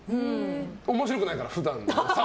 面白くないから、普段は。